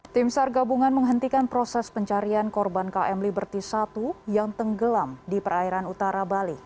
tim sar gabungan menghentikan proses pencarian korban km liberti satu yang tenggelam di perairan utara bali